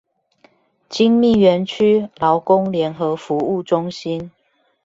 精密園區勞工聯合服務中心